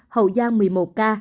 hậu giang một mươi một ca